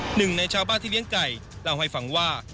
หนึ่งในชาวบ้านที่เลี้ยงไก่เล่าให้ฟังว่า